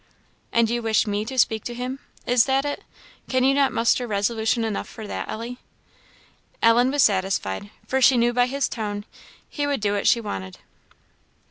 "And you wish me to speak to him is that it? Cannot you muster resolution enough for that, Ellie?" Ellen was satisfied, for she knew by his tone he would do what she wanted.